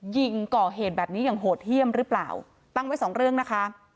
ยิงก่อเหตุแบบนี้อย่างโหดเยี่ยมหรือเปล่าตั้งไว้สองเรื่องนะคะ